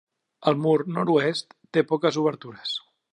El mur nord-oest té poques obertures.